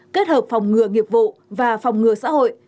kết hợp phòng ngừa nghiệp vụ và phòng ngừa xã hội